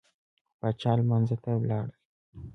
پاچا لمانځه ته ولاړل.